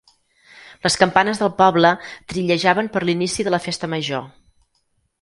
Les campanes del poble tritllejaven per l'inici de la festa major.